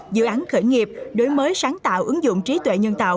dự án khởi nghiệp đổi mới sáng tạo ứng dụng trí tuệ nhân tạo